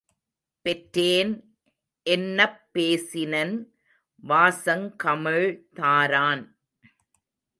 பெற்றேன் என்னப் பேசினன் வாசங் கமழ்தாரான்